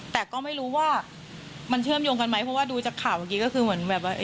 แต่ก็ไม่รู้ว่ามันเชื่อมโยงกันไหมเพราะว่าดูจากข่าวเมื่อกี้ก็คือเหมือนแบบว่า